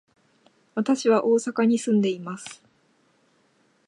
私は大阪に住んでいます。